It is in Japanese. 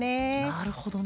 なるほどな。